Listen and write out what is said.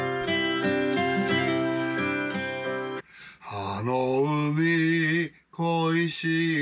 「あの海恋しい時」